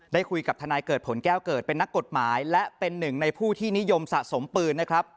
ได้คุยกับทนายเกิดผลแก้วเกิดเป็นนักกฎหมายและเป็นหนึ่งในผู้ที่นิยมสะสมปืนนะครับ